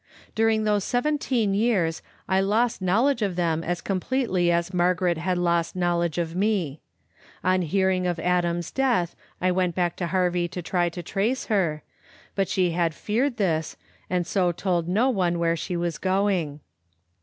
During those seventeen years I lost knowl edge of them as completely as Margaret had lost knowl edge of me. On hearing of Adam's death I went back to Harvie to try to trace her, but she had feared this, Wid so told no one where she was going.